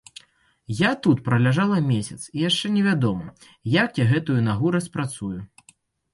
Я тут праляжала месяц, і яшчэ невядома, як я гэтую нагу распрацую.